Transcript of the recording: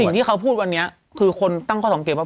สิ่งที่เขาพูดวันนี้คือคนตั้งข้อสังเกตว่า